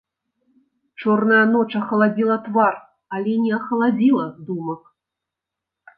Чорная ноч ахаладзіла твар, але не ахаладзіла думак.